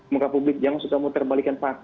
muka publik jangan suka mau terbalikan pak